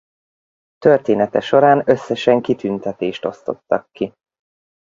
Története során összesen kitüntetést osztottak ki.